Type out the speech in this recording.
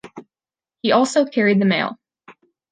He also carried the mail.